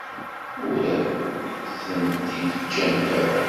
Ur ak-tent-id-ǧǧant ara.